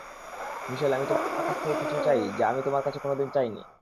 মিশেল, আমি তোমার কাছ থেকে কিছু চাই যা আমি তোমার কাছে কোনোদিন চাইনি।